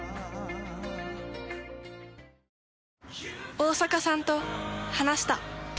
大坂さんと話した。